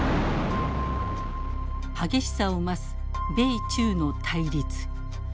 激しさを増す米中の対立。